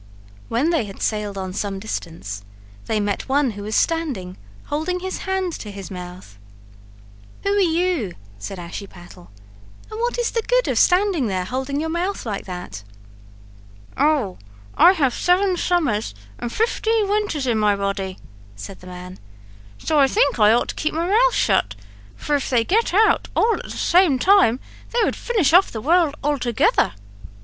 When they had sailed on some distance they met one who was standing holding his hand to his mouth. "Who are you?" said Ashiepattle, "and what is the good of standing there, holding your mouth like that?" "Oh, I have seven summers and fifteen winters in my body," said the man; "so I think I ought to keep my mouth shut, for if they get out all at the same time they would finish off the world altogether."